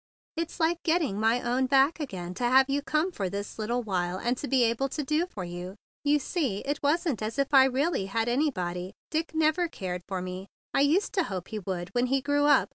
"It's like get¬ ting my own back again to have you come for this little while, and to be able to do for you. You see it wasn't as if I really had anybody. Dick never cared for me. I used to hope be would when he grew up.